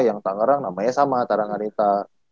yang tangerang namanya sama taranganita